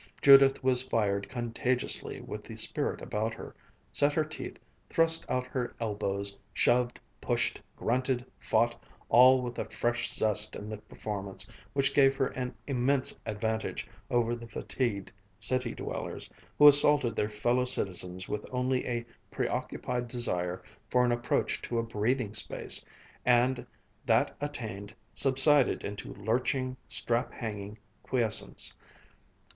Judith was fired contagiously with the spirit about her, set her teeth, thrust out her elbows, shoved, pushed, grunted, fought, all with a fresh zest in the performance which gave her an immense advantage over the fatigued city dwellers, who assaulted their fellow citizens with only a preoccupied desire for an approach to a breathing space, and, that attained, subsided into lurching, strap hanging quiescence.